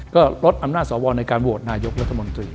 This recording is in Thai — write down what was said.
ก็ลดอำนาจสวในการโหวตนายกรัฐมนตรี